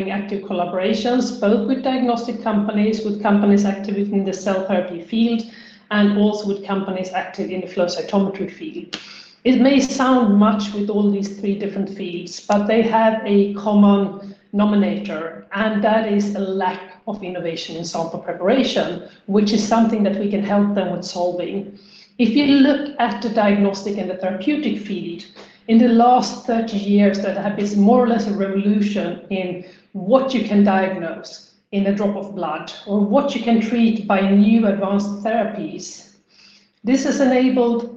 Reactive collaborations, both with diagnostic companies, with companies active in the cell therapy field, and also with companies active in the flow cytometry field. It may sound much with all these three different fields, but they have a common nominator, and that is a lack of innovation in sample preparation, which is something that we can help them with solving. If you look at the diagnostic and the therapeutic field, in the last 30 years, there has been more or less a revolution in what you can diagnose in a drop of blood or what you can treat by new advanced therapies. This has enabled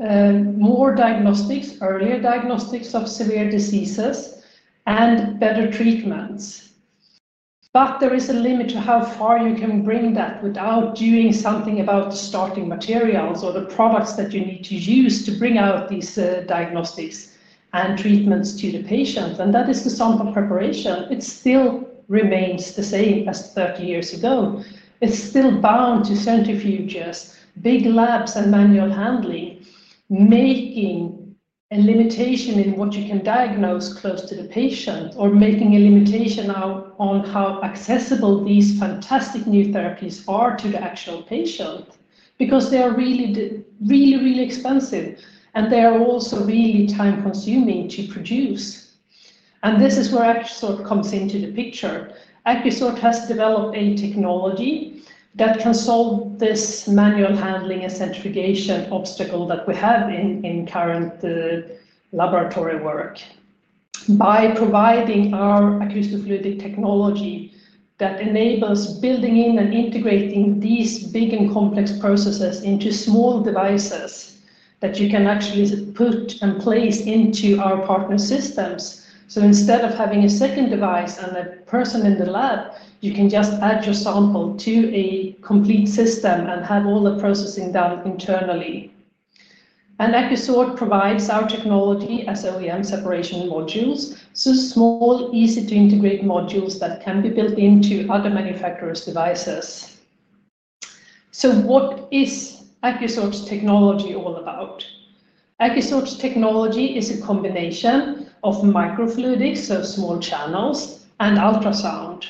more diagnostics, earlier diagnostics of severe diseases, and better treatments. There is a limit to how far you can bring that without doing something about the starting materials or the products that you need to use to bring out these diagnostics and treatments to the patient. That is the sample preparation. It still remains the same as 30 years ago. It's still bound to centrifuges, big labs, and manual handling, making a limitation in what you can diagnose close to the patient or making a limitation on how accessible these fantastic new therapies are to the actual patient because they are really, really, really expensive, and they are also really time-consuming to produce. This is where AcouSort comes into the picture. AcouSort has developed a technology that can solve this manual handling and centrifugation obstacle that we have in current laboratory work by providing our acoustofluidic technology that enables building in and integrating these big and complex processes into small devices that you can actually put and place into our partner systems. Instead of having a second device and a person in the lab, you can just add your sample to a complete system and have all the processing done internally. AcouSort provides our technology as OEM separation modules, so small, easy-to-integrate modules that can be built into other manufacturers' devices. What is AcouSort's technology all about? AcouSort's technology is a combination of microfluidics, so small channels, and ultrasound.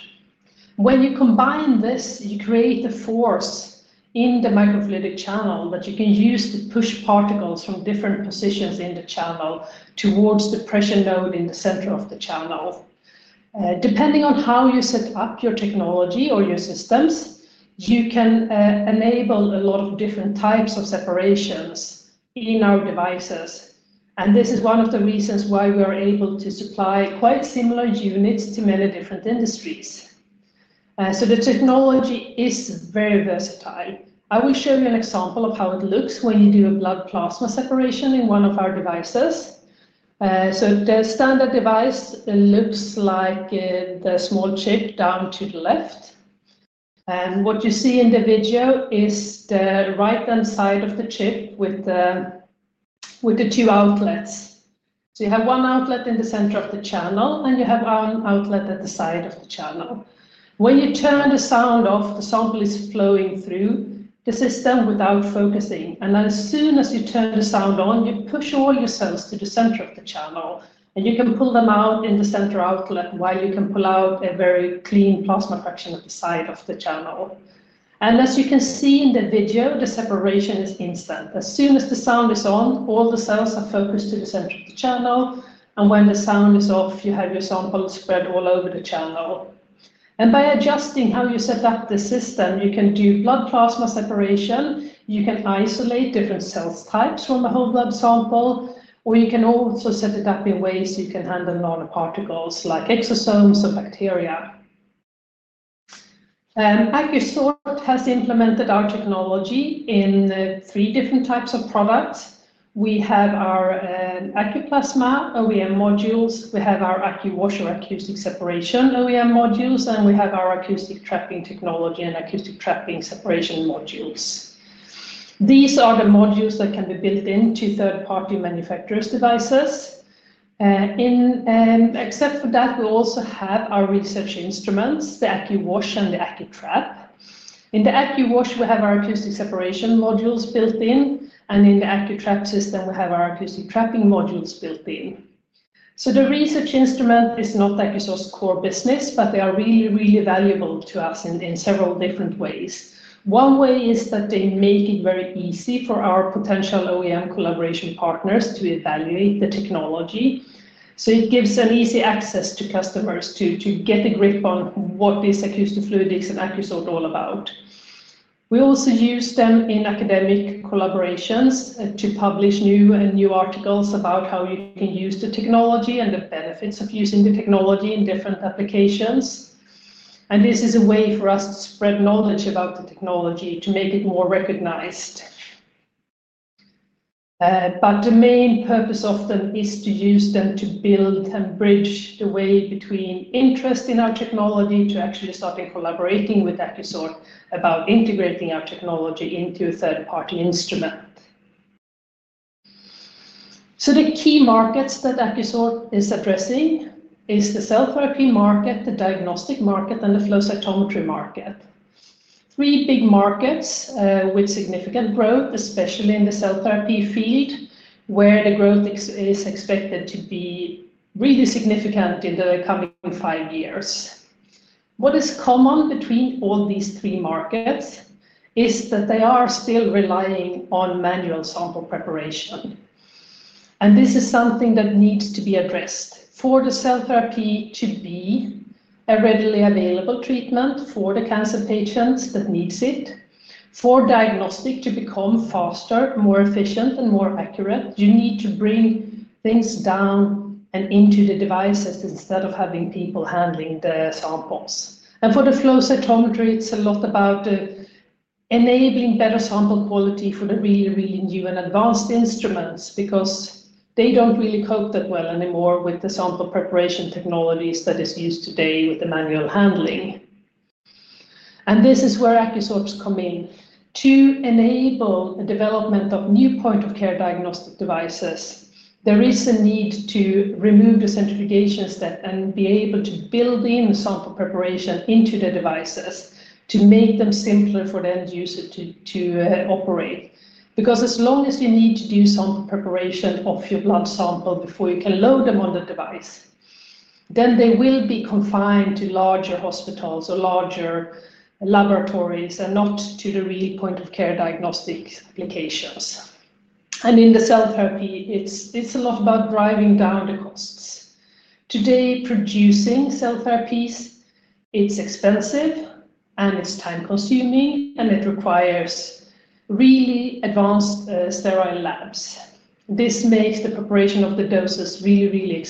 When you combine this, you create a force in the microfluidic channel that you can use to push particles from different positions in the channel towards the pressure node in the center of the channel. Depending on how you set up your technology or your systems, you can enable a lot of different types of separations in our devices. This is one of the reasons why we are able to supply quite similar units to many different industries. The technology is very versatile. I will show you an example of how it looks when you do a blood plasma separation in one of our devices. The standard device looks like the small chip down to the left. What you see in the video is the right-hand side of the chip with the two outlets. You have one outlet in the center of the channel, and you have one outlet at the side of the channel. When you turn the sound off, the sample is flowing through the system without focusing. As soon as you turn the sound on, you push all your cells to the center of the channel, and you can pull them out in the center outlet while you can pull out a very clean plasma fraction at the side of the channel. As you can see in the video, the separation is instant. As soon as the sound is on, all the cells are focused to the center of the channel. When the sound is off, you have your sample spread all over the channel. By adjusting how you set up the system, you can do blood plasma separation. You can isolate different cell types from the whole blood sample, or you can also set it up in ways you can handle nanoparticles like exosomes or bacteria. AcouSort has implemented our technology in three different types of products. We have our AcouPlasma OEM modules. We have our AcouWash or acoustic separation OEM modules, and we have our acoustic trapping technology and acoustic trapping separation modules. These are the modules that can be built into third-party manufacturers' devices. Except for that, we also have our research instruments, the AcouWash and the AcouTrap. In the AcouWash, we have our acoustic separation modules built in, and in the AcouTrap system, we have our acoustic trapping modules built in. The research instrument is not AcouSort's core business, but they are really, really valuable to us in several different ways. One way is that they make it very easy for our potential OEM collaboration partners to evaluate the technology. It gives them easy access to customers to get a grip on what this acoustofluidics and AcouSort are all about. We also use them in academic collaborations to publish new and new articles about how you can use the technology and the benefits of using the technology in different applications. This is a way for us to spread knowledge about the technology to make it more recognized. The main purpose of them is to use them to build and bridge the way between interest in our technology to actually starting collaborating with AcouSort about integrating our technology into a third-party instrument. The key markets that AcouSort is addressing are the cell therapy market, the diagnostic market, and the flow cytometry market. Three big markets with significant growth, especially in the cell therapy field, where the growth is expected to be really significant in the coming five years. What is common between all these three markets is that they are still relying on manual sample preparation. This is something that needs to be addressed for the cell therapy to be a readily available treatment for the cancer patients that need it. For diagnostics to become faster, more efficient, and more accurate, you need to bring things down and into the devices instead of having people handling the samples. For the flow cytometry, it's a lot about enabling better sample quality for the really, really new and advanced instruments because they don't really cope that well anymore with the sample preparation technologies that are used today with the manual handling. This is where AcouSort comes in. To enable the development of new point-of-care diagnostic devices, there is a need to remove the centrifugation step and be able to build in sample preparation into the devices to make them simpler for the end user to operate. Because as long as you need to do sample preparation of your blood sample before you can load them on the device, then they will be confined to larger hospitals or larger laboratories and not to the real point-of-care diagnostic applications. In the cell therapy, it's a lot about driving down the costs. Today, producing cell therapies, it's expensive, and it's time-consuming, and it requires really advanced sterile labs. This makes the preparation of the doses really, really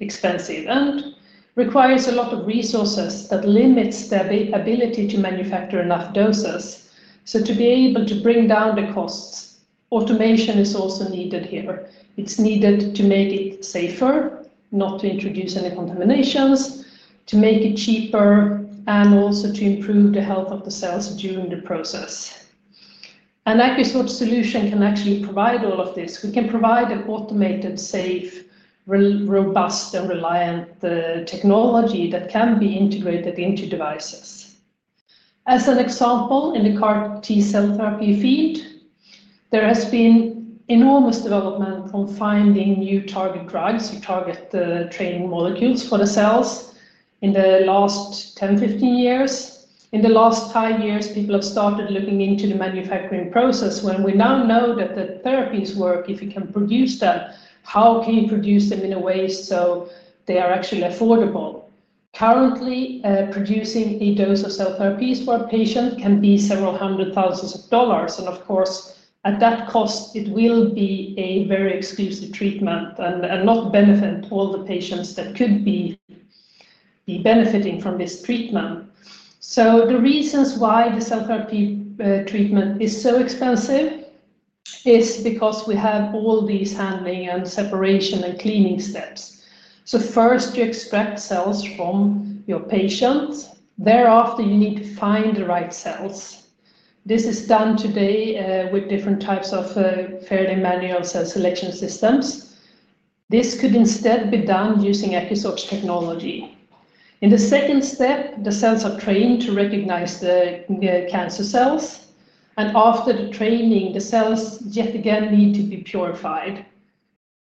expensive and requires a lot of resources that limit their ability to manufacture enough doses. To be able to bring down the costs, automation is also needed here. It's needed to make it safer, not to introduce any contaminations, to make it cheaper, and also to improve the health of the cells during the process. AcouSort's solution can actually provide all of this. We can provide an automated, safe, robust, and reliable technology that can be integrated into devices. As an example, in the CAR-T cell therapy field, there has been enormous development from finding new target drugs or target training molecules for the cells in the last 10, 15 years. In the last five years, people have started looking into the manufacturing process. When we now know that the therapies work, if you can produce them, how can you produce them in a way so they are actually affordable? Currently, producing a dose of cell therapies for a patient can be several hundred thousand dollars. Of course, at that cost, it will be a very exclusive treatment and not benefit all the patients that could be benefiting from this treatment. The reasons why the cell therapy treatment is so expensive is because we have all these handling and separation and cleaning steps. First, you extract cells from your patient. Thereafter, you need to find the right cells. This is done today with different types of fairly manual cell selection systems. This could instead be done using AcouSort technology. In the second step, the cells are trained to recognize the cancer cells. After the training, the cells yet again need to be purified.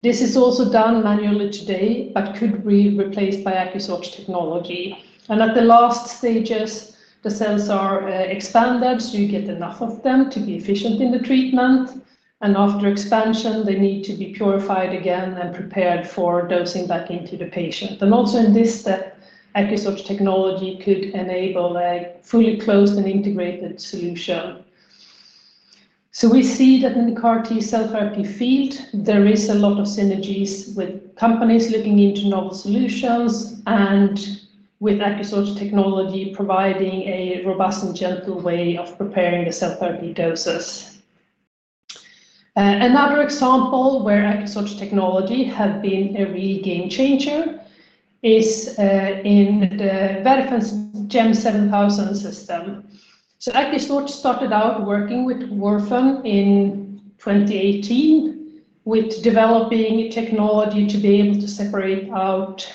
This is also done manually today but could be replaced by AcouSort technology. At the last stages, the cells are expanded so you get enough of them to be efficient in the treatment. After expansion, they need to be purified again and prepared for dosing back into the patient. Also in this step, AcouSort technology could enable a fully closed and integrated solution. We see that in the CAR-T cell therapy field, there is a lot of synergies with companies looking into novel solutions and with AcouSort technology providing a robust and gentle way of preparing the cell therapy doses. Another example where AcouSort technology has been a real game changer is in the Werfen GEM7000 system. AcouSort started out working with Werfen in 2018 with developing technology to be able to separate out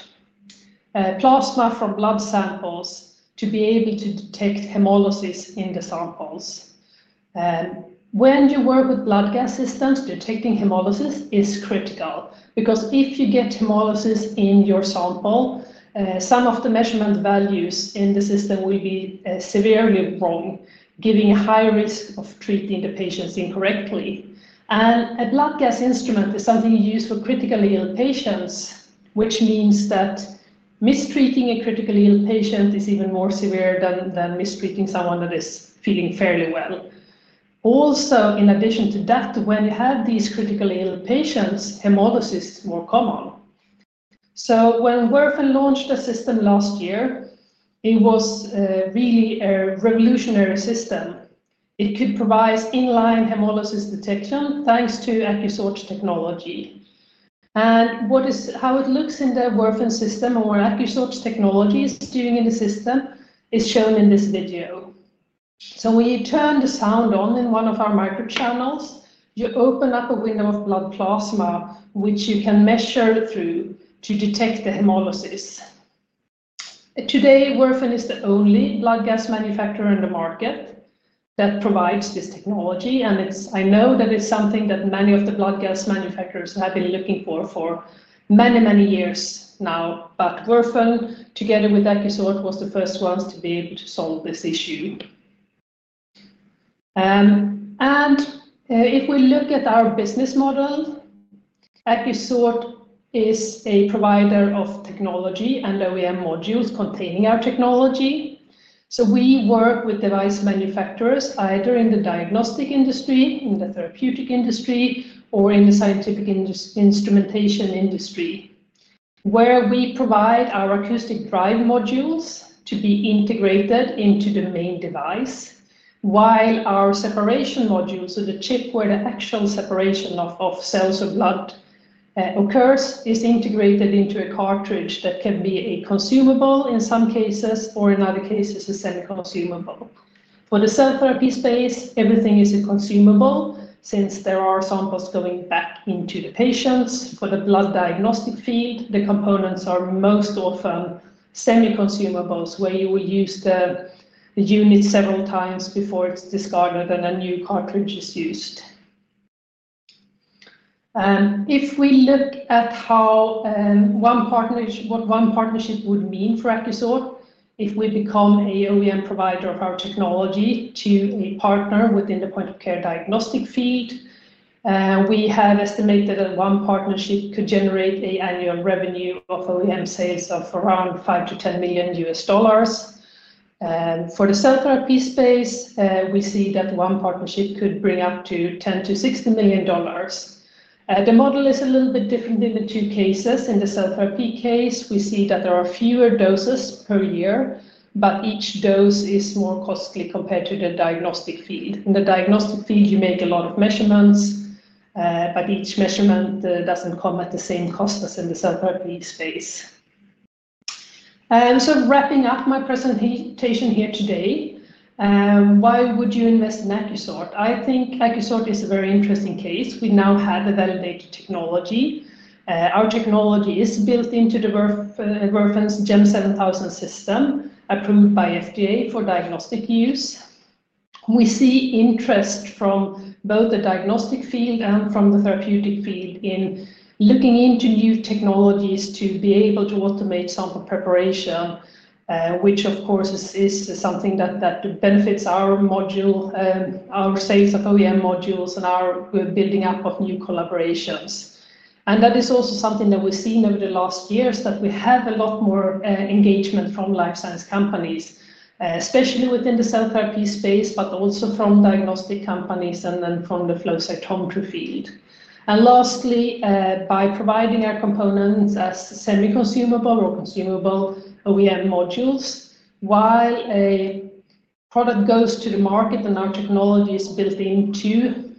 plasma from blood samples to be able to detect hemolysis in the samples. When you work with blood gas systems, detecting hemolysis is critical because if you get hemolysis in your sample, some of the measurement values in the system will be severely wrong, giving a high risk of treating the patients incorrectly. A blood gas instrument is something used for critically ill patients, which means that mistreating a critically ill patient is even more severe than mistreating someone that is feeling fairly well. Also, in addition to that, when you have these critically ill patients, hemolysis is more common. When Werfen launched the system last year, it was really a revolutionary system. It could provide inline hemolysis detection thanks to AcouSort technology. How it looks in the Werfen system or what AcouSort technology is doing in the system is shown in this video. When you turn the sound on in one of our microchannels, you open up a window of blood plasma, which you can measure through to detect the hemolysis. Today, Werfen is the only blood gas manufacturer in the market that provides this technology. I know that it's something that many of the blood gas manufacturers have been looking for for many, many years now. Werfen, together with AcouSort, was the first ones to be able to solve this issue. If we look at our business model, AcouSort is a provider of technology and OEM modules containing our technology. We work with device manufacturers either in the diagnostic industry, in the therapeutic industry, or in the scientific instrumentation industry, where we provide our acoustic drive modules to be integrated into the main device, while our separation modules, so the chip where the actual separation of cells or blood occurs, is integrated into a cartridge that can be a consumable in some cases or in other cases a semi-consumable. For the cell therapy space, everything is a consumable since there are samples going back into the patients. For the blood diagnostic field, the components are most often semi-consumables, where you will use the unit several times before it's discarded and a new cartridge is used. If we look at what one partnership would mean for AcouSort, if we become a OEM provider of our technology to a partner within the point-of-care diagnostic field, we have estimated that one partnership could generate an annual revenue of OEM sales of around $5 million-$10 million. For the cell therapy space, we see that one partnership could bring up to $10 million-$60 million. The model is a little bit different in the two cases. In the cell therapy case, we see that there are fewer doses per year, but each dose is more costly compared to the diagnostic field. In the diagnostic field, you make a lot of measurements, but each measurement doesn't come at the same cost as in the cell therapy space. Wrapping up my presentation here today, why would you invest in AcouSort? I think AcouSort is a very interesting case. We now have a validated technology. Our technology is built into the Werfen GEM7000 system, approved by FDA for diagnostic use. We see interest from both the diagnostic field and from the therapeutic field in looking into new technologies to be able to automate sample preparation, which of course is something that benefits our sales of OEM modules and our building up of new collaborations. That is also something that we've seen over the last years that we have a lot more engagement from life science companies, especially within the cell therapy space, but also from diagnostic companies and then from the flow cytometry field. Lastly, by providing our components as semi-consumable or consumable OEM modules, while a product goes to the market and our technology is built into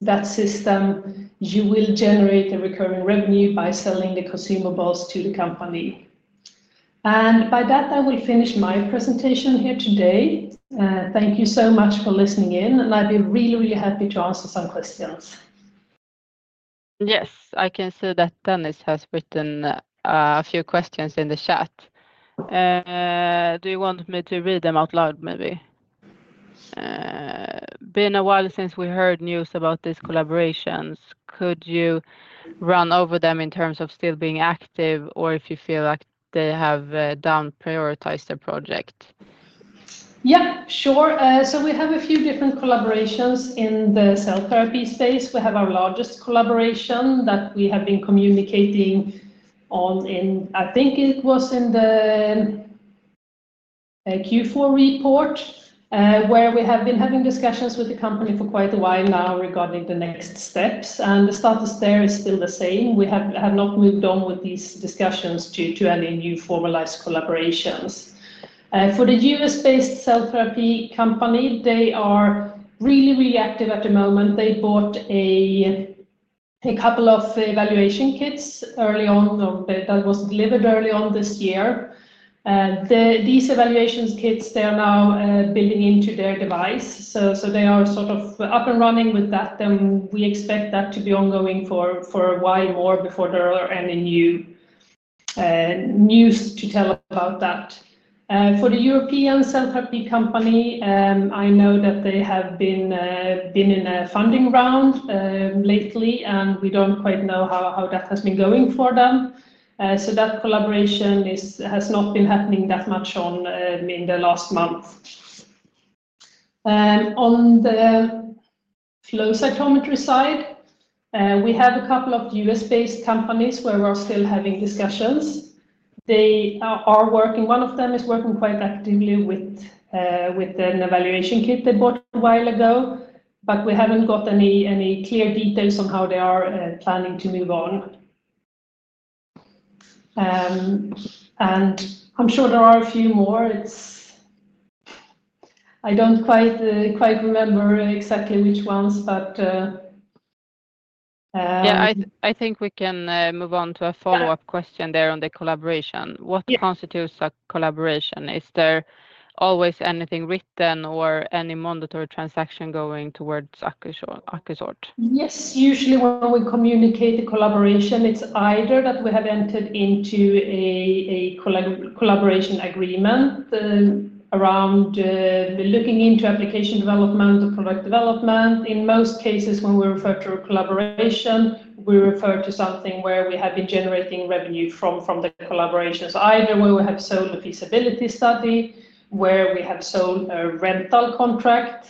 that system, you will generate the recurring revenue by selling the consumables to the company. By that, I will finish my presentation here today. Thank you so much for listening in, and I'll be really, really happy to answer some questions. Yes, I can see that Dennis has written a few questions in the chat. Do you want me to read them out loud, maybe? Been a while since we heard news about these collaborations. Could you run over them in terms of still being active or if you feel like they have downprioritized their project? Yeah, sure. We have a few different collaborations in the cell therapy space. We have our largest collaboration that we have been communicating on in, I think it was in the Q4 report, where we have been having discussions with the company for quite a while now regarding the next steps. The status there is still the same. We have not moved on with these discussions due to any new formalized collaborations. For the US-based cell therapy company, they are really, really active at the moment. They bought a couple of evaluation kits early on that was delivered early on this year. These evaluation kits, they are now building into their device. They are sort of up and running with that. We expect that to be ongoing for a while more before there are any news to tell about that. For the European cell therapy company, I know that they have been in a funding round lately, and we don't quite know how that has been going for them. That collaboration has not been happening that much in the last month. On the flow cytometry side, we have a couple of US-based companies where we're still having discussions. One of them is working quite actively with an evaluation kit they bought a while ago, but we haven't got any clear details on how they are planning to move on. I'm sure there are a few more. I don't quite remember exactly which ones, but. Yeah, I think we can move on to a follow-up question there on the collaboration. What constitutes a collaboration? Is there always anything written or any monetary transaction going towards AcouSort? Yes, usually when we communicate a collaboration, it's either that we have entered into a collaboration agreement around looking into application development or product development. In most cases, when we refer to a collaboration, we refer to something where we have been generating revenue from the collaborations. Either where we have sold a feasibility study, where we have sold a rental contract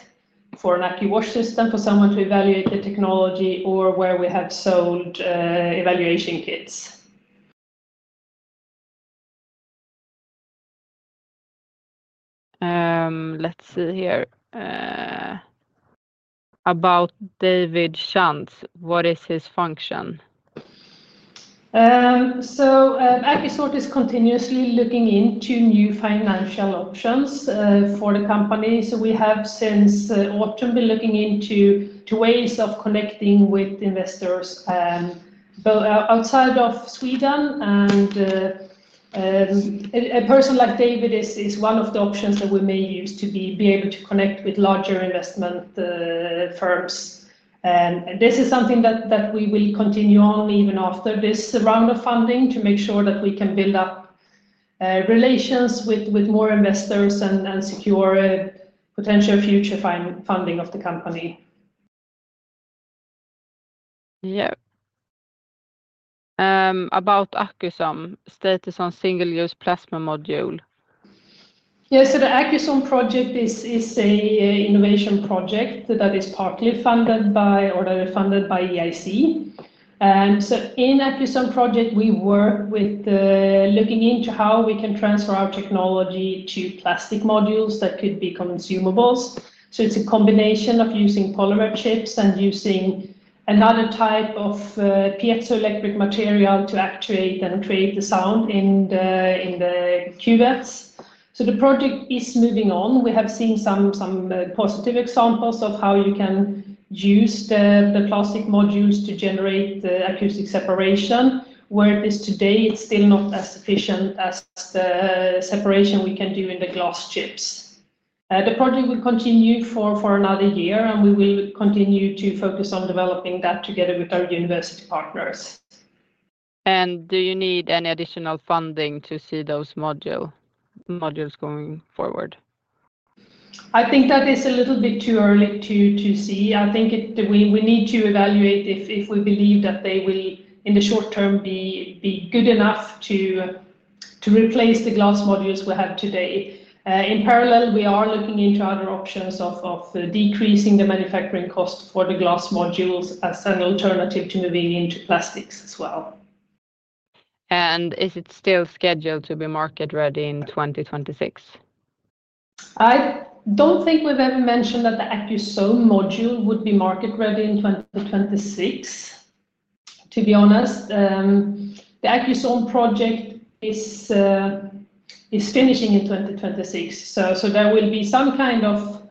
for an AcouWash system for someone to evaluate the technology, or where we have sold evaluation kits. Let's see here. About David Chantz, what is his function? AcouSort is continuously looking into new financial options for the company. We have since autumn been looking into ways of connecting with investors outside of Sweden. A person like David is one of the options that we may use to be able to connect with larger investment firms. This is something that we will continue on even after this round of funding to make sure that we can build up relations with more investors and secure potential future funding of the company. Yeah. About AcouSome, status on single-use plasma module. Yeah, the AcouSome project is an innovation project that is funded by EIC. In the AcouSome project, we work with looking into how we can transfer our technology to plastic modules that could be consumables. It is a combination of using polymer chips and using another type of piezoelectric material to actuate and create the sound in the cuvettes. The project is moving on. We have seen some positive examples of how you can use the plastic modules to generate acoustic separation, whereas today it's still not as efficient as the separation we can do in the glass chips. The project will continue for another year, and we will continue to focus on developing that together with our university partners. Do you need any additional funding to see those modules going forward? I think that is a little bit too early to see. I think we need to evaluate if we believe that they will, in the short term, be good enough to replace the glass modules we have today. In parallel, we are looking into other options of decreasing the manufacturing cost for the glass modules as an alternative to moving into plastics as well. Is it still scheduled to be market-ready in 2026? I don't think we've ever mentioned that the AcouSome module would be market-ready in 2026, to be honest. The AcouSome project is finishing in 2026. There will be some kind of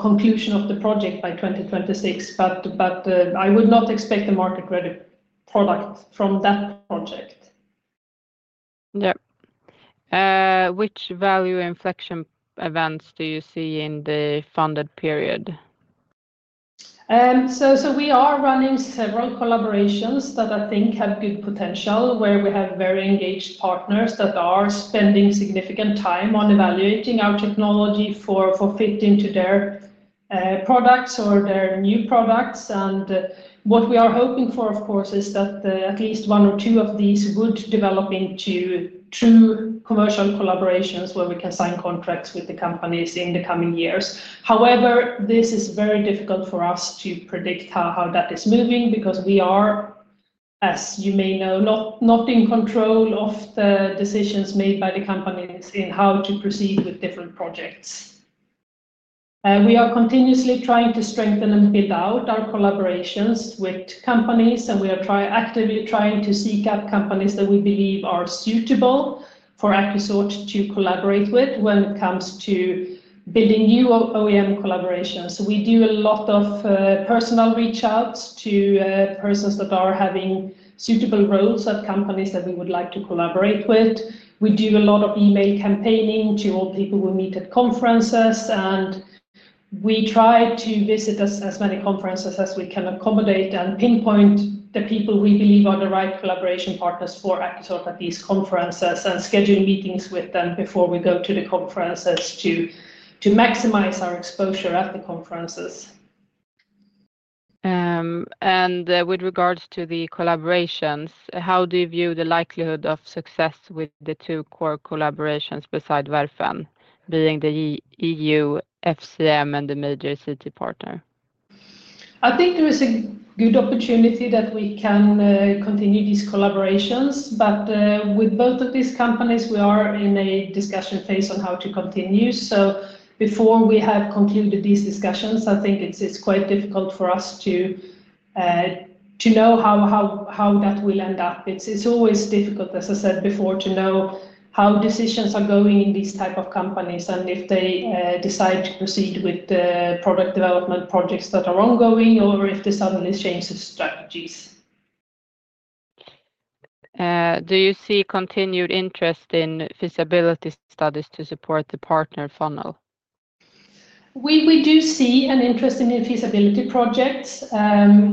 conclusion of the project by 2026, but I would not expect a market-ready product from that project. Yeah. Which value inflection events do you see in the funded period? We are running several collaborations that I think have good potential, where we have very engaged partners that are spending significant time on evaluating our technology for fit into their products or their new products. What we are hoping for, of course, is that at least one or two of these would develop into true commercial collaborations where we can sign contracts with the companies in the coming years. However, this is very difficult for us to predict how that is moving because we are, as you may know, not in control of the decisions made by the companies in how to proceed with different projects. We are continuously trying to strengthen and build out our collaborations with companies, and we are actively trying to seek out companies that we believe are suitable for AcouSort to collaborate with when it comes to building new OEM collaborations. We do a lot of personal reach-outs to persons that are having suitable roles at companies that we would like to collaborate with. We do a lot of email campaigning to all people we meet at conferences, and we try to visit as many conferences as we can accommodate and pinpoint the people we believe are the right collaboration partners for AcouSort at these conferences and schedule meetings with them before we go to the conferences to maximize our exposure at the conferences. With regards to the collaborations, how do you view the likelihood of success with the two core collaborations beside Werfen, being the EU, FCM, and the major city partner? I think there is a good opportunity that we can continue these collaborations, but with both of these companies, we are in a discussion phase on how to continue. Before we have concluded these discussions, I think it's quite difficult for us to know how that will end up. It's always difficult, as I said before, to know how decisions are going in these types of companies and if they decide to proceed with product development projects that are ongoing or if they suddenly change their strategies. Do you see continued interest in feasibility studies to support the partner funnel? We do see an interest in feasibility projects.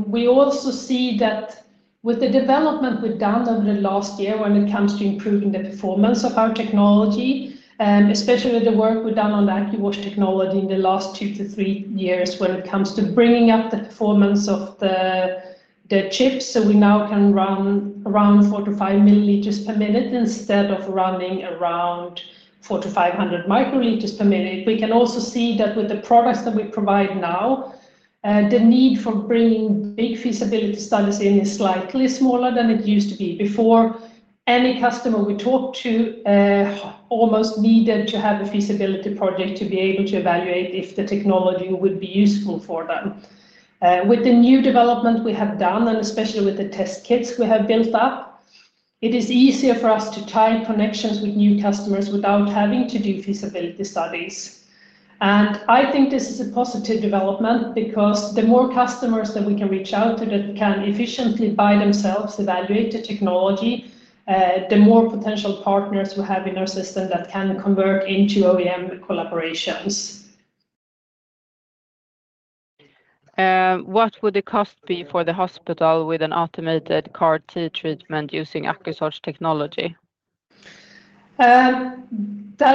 We also see that with the development we've done over the last year when it comes to improving the performance of our technology, especially the work we've done on the AcouWash technology in the last two to three years when it comes to bringing up the performance of the chips so we now can run around 4-5 milliliters per minute instead of running around 400-500 microliters per minute. We can also see that with the products that we provide now, the need for bringing big feasibility studies in is slightly smaller than it used to be. Before, any customer we talked to almost needed to have a feasibility project to be able to evaluate if the technology would be useful for them. With the new development we have done, especially with the test kits we have built up, it is easier for us to tie connections with new customers without having to do feasibility studies. I think this is a positive development because the more customers that we can reach out to that can efficiently by themselves evaluate the technology, the more potential partners we have in our system that can convert into OEM collaborations. What would the cost be for the hospital with an automated CAR-T treatment using AcouSort technology? That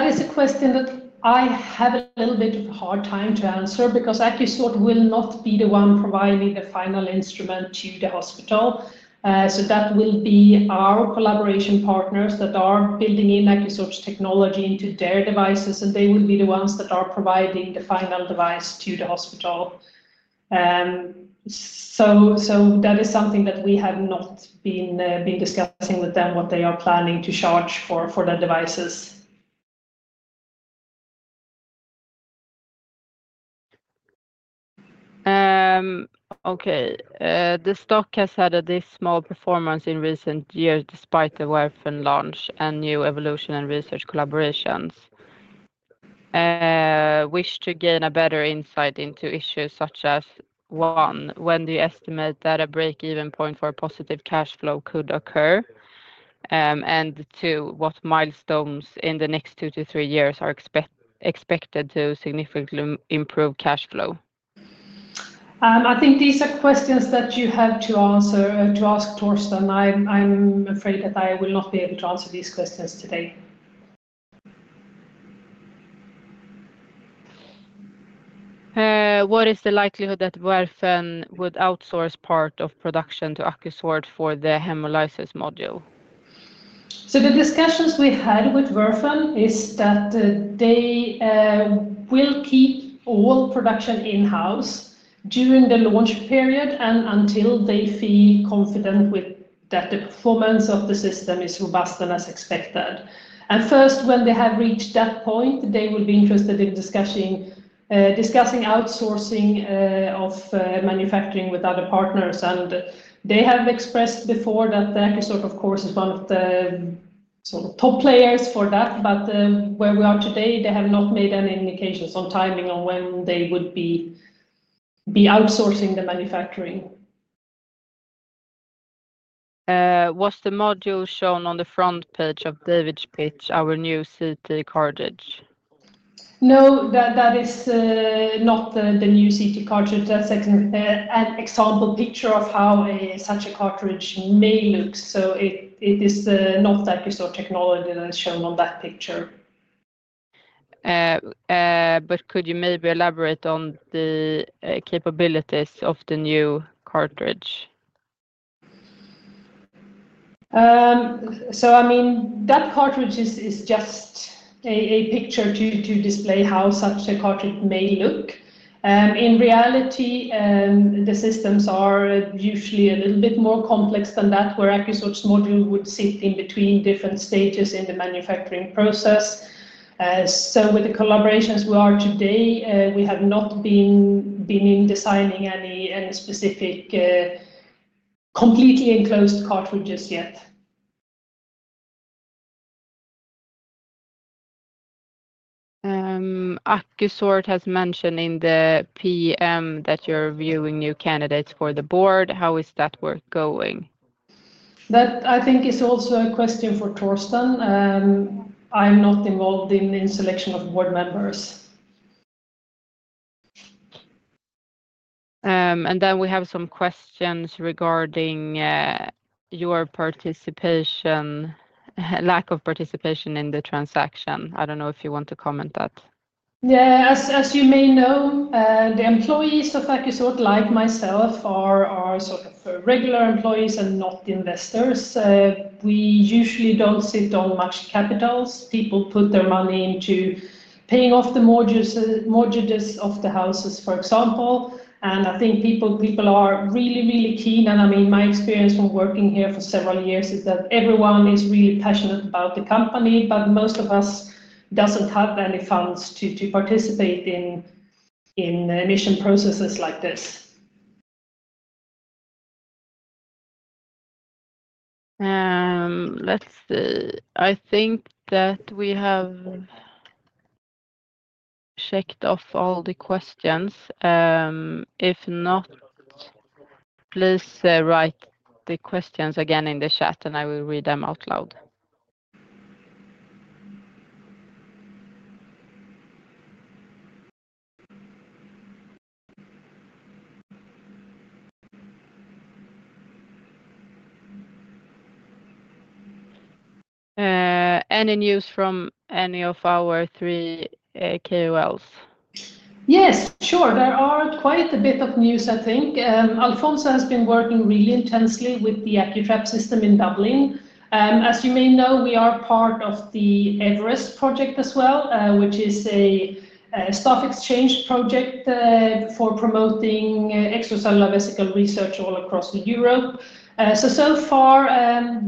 is a question that I have a little bit of a hard time to answer because AcouSort will not be the one providing the final instrument to the hospital. That will be our collaboration partners that are building in AcouSort technology into their devices, and they will be the ones that are providing the final device to the hospital. That is something that we have not been discussing with them, what they are planning to charge for the devices. Okay. The stock has had a small performance in recent years despite the Werfen launch and new evolution and research collaborations. Wish to gain a better insight into issues such as, one, when do you estimate that a break-even point for positive cash flow could occur? Two, what milestones in the next two to three years are expected to significantly improve cash flow? I think these are questions that you have to ask to us, Torsten. I'm afraid that I will not be able to answer these questions today. What is the likelihood that Werfen would outsource part of production to AcouSort for the hemolysis module? The discussions we had with Werfen is that they will keep all production in-house during the launch period and until they feel confident that the performance of the system is robust and as expected. First, when they have reached that point, they will be interested in discussing outsourcing of manufacturing with other partners. They have expressed before that AcouSort, of course, is one of the sort of top players for that, but where we are today, they have not made any indications on timing on when they would be outsourcing the manufacturing. Was the module shown on the front page of David's pitch, our new CT cartridge? No, that is not the new CT cartridge. That's an example picture of how such a cartridge may look. It is not AcouSort technology that is shown on that picture. Could you maybe elaborate on the capabilities of the new cartridge? I mean, that cartridge is just a picture to display how such a cartridge may look. In reality, the systems are usually a little bit more complex than that, where AcouSort's module would sit in between different stages in the manufacturing process. With the collaborations we are today, we have not been designing any specific completely enclosed cartridges yet. AcouSort has mentioned in the PM that you're viewing new candidates for the board. How is that work going? That I think is also a question for Torsten. I'm not involved in the selection of board members. Then we have some questions regarding your lack of participation in the transaction. I don't know if you want to comment on that. Yeah. As you may know, the employees of AcouSort, like myself, are sort of regular employees and not investors. We usually don't sit on much capital. People put their money into paying off the mortgages of the houses, for example. I think people are really, really keen. I mean, my experience from working here for several years is that everyone is really passionate about the company, but most of us don't have any funds to participate in emission processes like this. Let's see. I think that we have checked off all the questions. If not, please write the questions again in the chat, and I will read them out loud. Any news from any of our three KOLs? Yes, sure. There are quite a bit of news, I think. Alfonso has been working really intensely with the AcouTrap system in Dublin. As you may know, we are part of the Everest project as well, which is a staff exchange project for promoting extracellular vesicle research all across Europe. So far,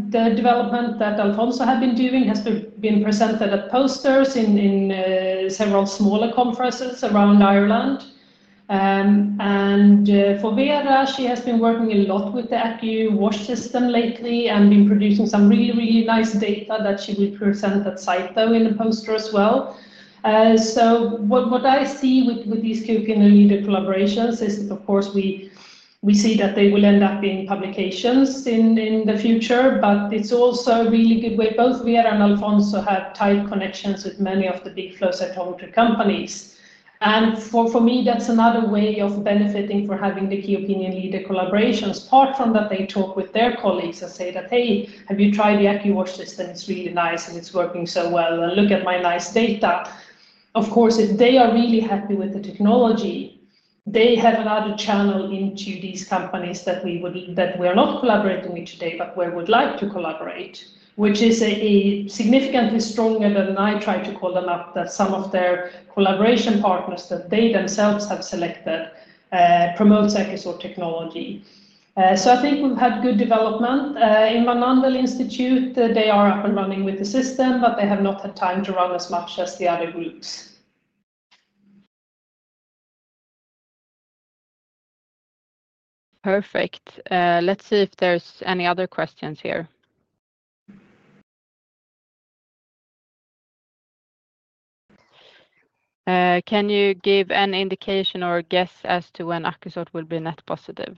the development that Alfonso had been doing has been presented at posters in several smaller conferences around Ireland. For Vera, she has been working a lot with the AcouWash system lately and been producing some really, really nice data that she will present at SIPO in the poster as well. What I see with these key opinion leader collaborations is that, of course, we see that they will end up being publications in the future, but it's also a really good way. Both Vera and Alfonso have tight connections with many of the big flow cytometry companies. For me, that's another way of benefiting from having the key opinion leader collaborations, apart from that they talk with their colleagues and say that, "Hey, have you tried the AcouWash system? It's really nice and it's working so well. Look at my nice data." Of course, if they are really happy with the technology, they have another channel into these companies that we are not collaborating with today, but we would like to collaborate, which is significantly stronger than I try to call them up, that some of their collaboration partners that they themselves have selected promote AcouSort technology. I think we've had good development. In Van Andel Institute, they are up and running with the system, but they have not had time to run as much as the other groups. Perfect. Let's see if there's any other questions here. Can you give an indication or guess as to when AcouSort will be net positive?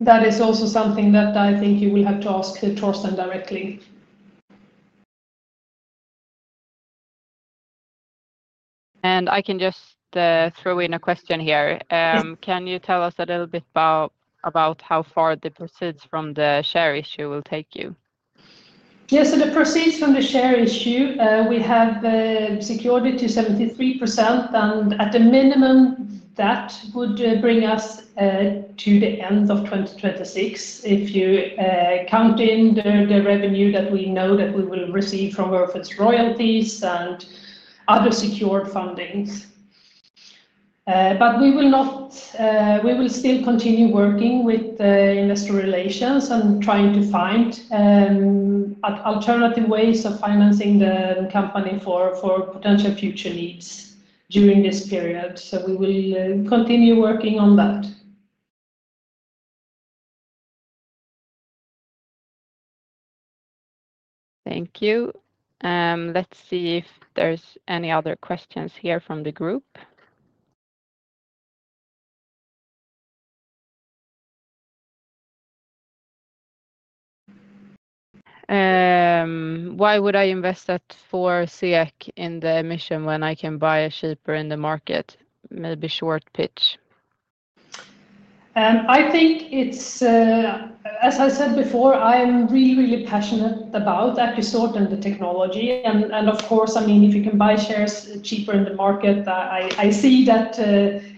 That is also something that I think you will have to ask Torsten directly. I can just throw in a question here. Can you tell us a little bit about how far the proceeds from the share issue will take you? Yes. The proceeds from the share issue, we have secured it to 73%, and at a minimum, that would bring us to the end of 2026 if you count in the revenue that we know that we will receive from Werfen's royalties and other secured fundings. We will still continue working with investor relations and trying to find alternative ways of financing the company for potential future needs during this period. We will continue working on that. Thank you. Let's see if there's any other questions here from the group. Why would I invest at 4 SEK in the emission when I can buy it cheaper in the market? Maybe short pitch. I think it's, as I said before, I'm really, really passionate about AcouSort and the technology. And of course, I mean, if you can buy shares cheaper in the market, I see that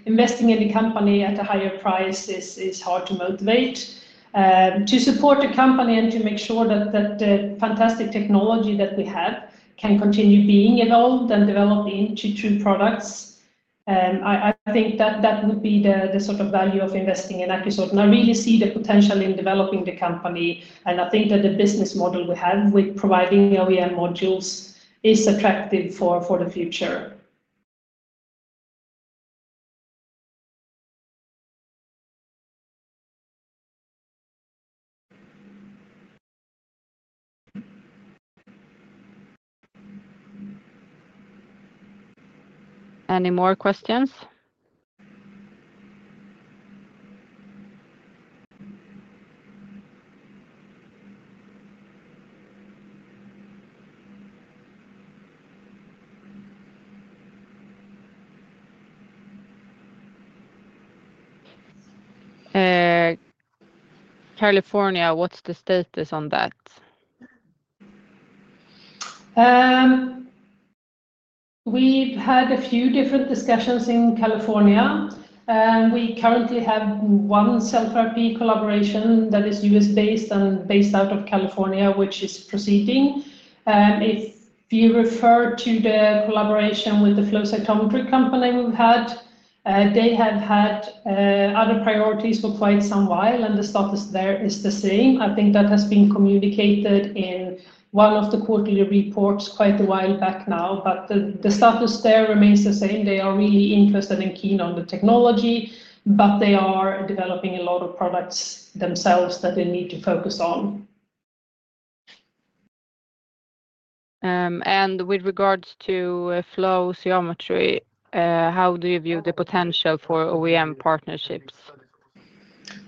investing in the company at a higher price is hard to motivate. To support the company and to make sure that the fantastic technology that we have can continue being evolved and developed into true products, I think that that would be the sort of value of investing in AcouSort. I really see the potential in developing the company. I think that the business model we have with providing OEM modules is attractive for the future. Any more questions? California, what's the status on that? We've had a few different discussions in California. We currently have one CellFRP collaboration that is US-based and based out of California, which is proceeding. If you refer to the collaboration with the flow cytometry company we've had, they have had other priorities for quite some while, and the status there is the same. I think that has been communicated in one of the quarterly reports quite a while back now, but the status there remains the same. They are really interested and keen on the technology, but they are developing a lot of products themselves that they need to focus on. With regards to flow cytometry, how do you view the potential for OEM partnerships?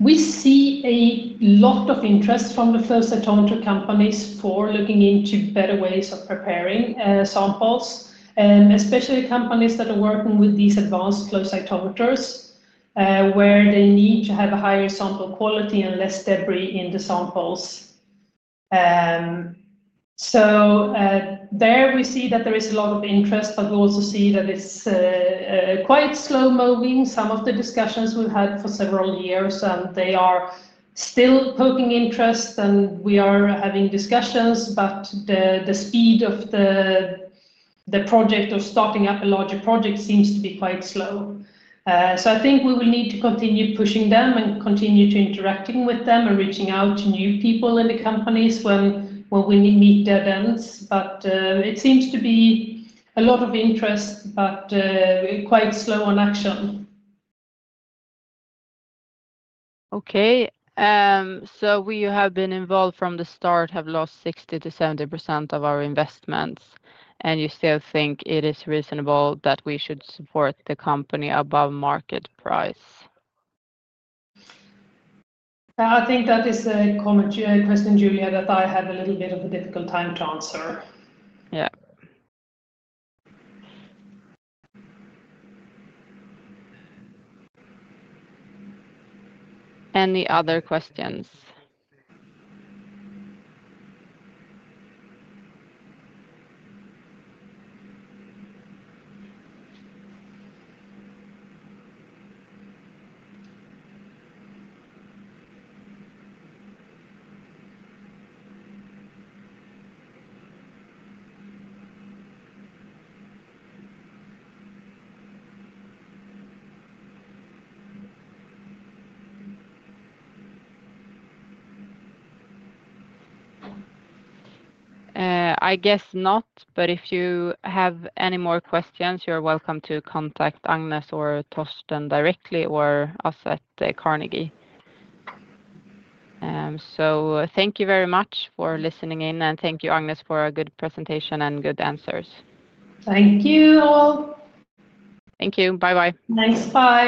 We see a lot of interest from the flow cytometry companies for looking into better ways of preparing samples, especially companies that are working with these advanced flow cytometers, where they need to have a higher sample quality and less debris in the samples. There we see that there is a lot of interest, but we also see that it's quite slow-moving. Some of the discussions we've had for several years, and they are still poking interest, and we are having discussions, but the speed of the project of starting up a larger project seems to be quite slow. I think we will need to continue pushing them and continue to interact with them and reaching out to new people in the companies when we meet their demands. It seems to be a lot of interest, but quite slow on action. Okay. We have been involved from the start, have lost 60-70% of our investments, and you still think it is reasonable that we should support the company above market price? I think that is a common question, Julia, that I have a little bit of a difficult time to answer. Yeah. Any other questions? I guess not, but if you have any more questions, you are welcome to contact Agnes or Torsten directly or us at Carnegie. Thank you very much for listening in, and thank you, Agnes, for a good presentation and good answers. Thank you all. Thank you. Bye-bye. Nice bye.